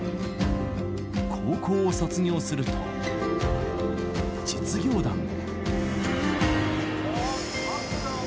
高校を卒業すると、実業団へ。